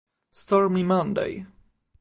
Stormy Monday